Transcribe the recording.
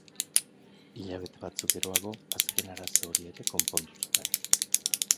Hilabete batzuk geroago, azken arazo hori ere konpondu zuten.